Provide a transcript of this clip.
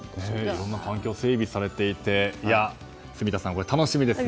いろんな環境が整備されていて住田さん、楽しみですね。